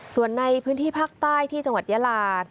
ส่วนในพื้นที่ภาคใต้ที่จังหวัดยาลา